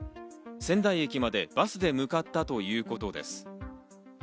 仙台駅までバスで向かったということです。